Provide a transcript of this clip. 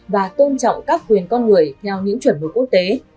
và tôn trọng các quyền con người theo những chuẩn mực quốc tế